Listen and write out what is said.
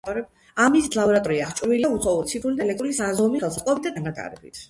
ამ მიზნით ლაბორატორია აღჭურვილია უცხოური ციფრული და ელექტრული საზომი ხელსაწყოებით და დანადგარებით.